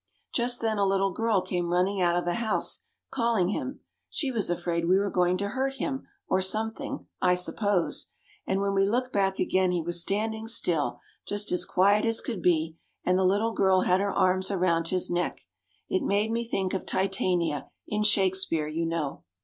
Just then a little girl came running out of a house, calling him; she was afraid we were going to hurt him, or something, I suppose; and when we looked back again he was standing still, just as quiet as could be, and the little girl had her arms around his neck. It made me think of Titania, in Shakspeare, you know.